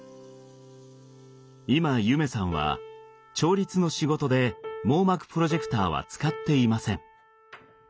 今夢さんは調律の仕事で網膜プロジェクターは使っていません。